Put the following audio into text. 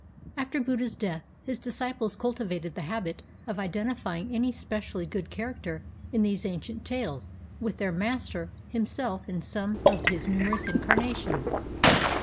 After Buddha's death, his disciples cultivated the habit of identifying any specially good character in these ancient tales with their Master himself in some one of his numerous incarna tions.